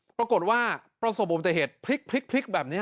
ปรากฏว่าประสบบวิทยาศัตริย์พลิกแบบนี้